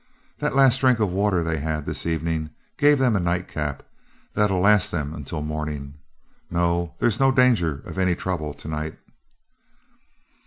That last drink of water they had this evening gave them a night cap that'll last them until morning. No, there's no danger of any trouble to night."